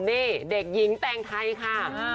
นี่เด็กหญิงแตงไทยค่ะ